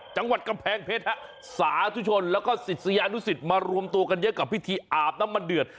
จังหวัดกำแพงเพชรฮะสาธุชนแล้วก็ศิษยานุสิตมารวมตัวกันเยอะกับพิธีอาบน้ำมันเดือด